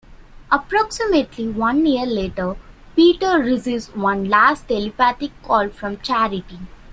Approximately one year later, Peter receives one last telepathic call from Charity.